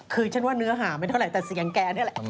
คือฉันว่าเนื้อหาไม่เท่าไหร่แต่เสียงแกนี่แหละ